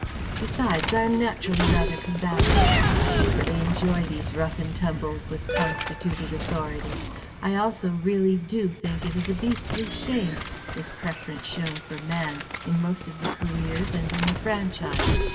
Besides, I am naturally rather combative; I secretly enjoy these rough and tumbles with constituted authority. I also really do think it is a beastly shame, this preference shown for man, in most of the careers and in the franchise.